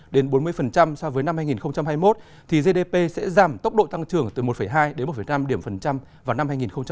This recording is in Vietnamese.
đến bốn mươi so với năm hai nghìn hai mươi một thì gdp sẽ giảm tốc độ tăng trưởng từ một hai đến một năm điểm phần trăm vào năm hai nghìn hai mươi